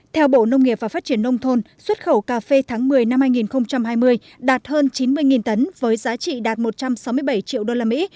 theo bộ nông nghiệp và phát triển nông thôn xuất khẩu cà phê tháng một mươi năm hai nghìn hai mươi đạt hơn chín mươi tấn với giá trị đạt một trăm sáu mươi bảy triệu đô la mỹ